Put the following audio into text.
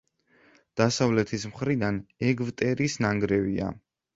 დასავლეთის მხრიდან ეგვტერის ნანგრევია.